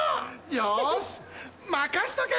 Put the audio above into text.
よし任せとけ！